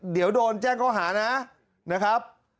เดี๋ยวโดนแจ้งข้อหานะครับ